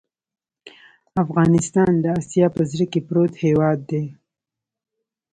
افغانستان د آسیا په زړه کې پروت هېواد دی.